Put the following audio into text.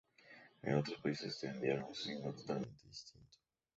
En otros países tendrían un signo totalmente distinto.